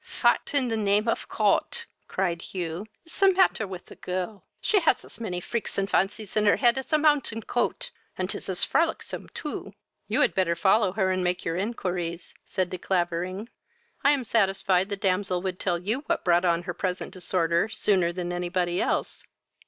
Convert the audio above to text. "Fat, in the name of Cot, (cried Hugh,) is the matter with the girl? She has as many freaks and fancies in her head as a mountain coat, and is as frolicksome too." "You had better follow her, and make your inquiries, (said De Clavering;) I am satisfied the damsel would tell you what brought on her present disorder sooner than any body else."